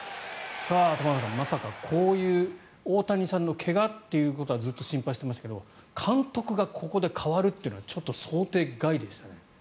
玉川さん、まさかこういう大谷さんの怪我ということはずっと心配していますが監督がここで代わるというのはちょっと想定外でしたね。